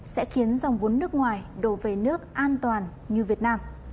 sẽ khiến dòng vốn nước ngoài đổ về nước an toàn như việt nam